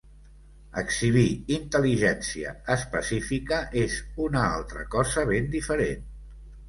Exhibir intel·ligència específica és una altra cosa ben diferent.